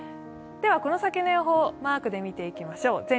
この先の予報をマークで見ていきましょう。